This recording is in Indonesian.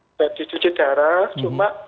sudah dicuci darah cuma